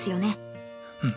うん。